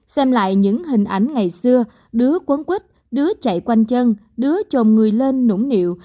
xem lại những hình ảnh ngày xưa đứa cuốn quýt đứa chạy quanh chân đứa chồng người lên nũng niệu